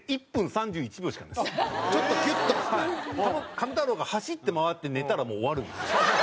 ハム太郎が走って回って寝たらもう終わるんですよ。